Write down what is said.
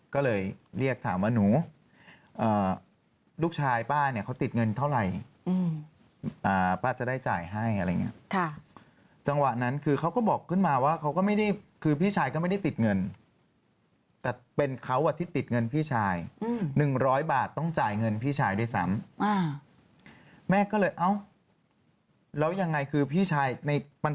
ก็เลยเรียกถามว่าหนูลูกชายป้าเนี่ยเขาติดเงินเท่าไหร่ป้าจะได้จ่ายให้อะไรอย่างนี้จังหวะนั้นคือเขาก็บอกขึ้นมาว่าเขาก็ไม่ได้คือพี่ชายก็ไม่ได้ติดเงินแต่เป็นเขาอ่ะที่ติดเงินพี่ชาย๑๐๐บาทต้องจ่ายเงินพี่ชายด้วยซ้ำแม่ก็เลยเอ้าแล้วยังไงคือพี่ชายในป